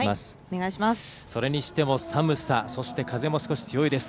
それにしても、寒さそして風も強いです。